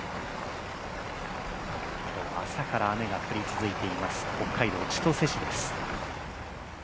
今日は朝から雨が降り続いています北海道千歳市です。